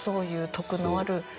徳のあるね。